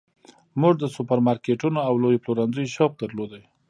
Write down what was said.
موږ د سوپرمارکیټونو او لویو پلورنځیو شوق درلود